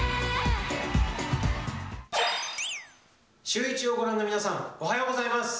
シューイチをご覧の皆さん、おはようございます。